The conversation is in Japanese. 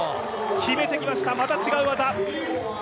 決めてきました、また違う技！